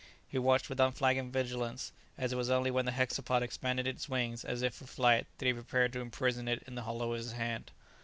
He watched with unflagging vigilance, and it was only when the hexapod expanded its wings as if for flight that he prepared to imprison it in the hollow of his hand.